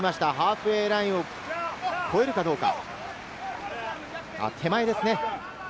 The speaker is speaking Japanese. ハーフウエーラインを越えるかどうか？